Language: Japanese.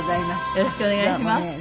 よろしくお願いします。